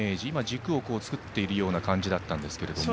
今、軸を作っているような感じだったんですが。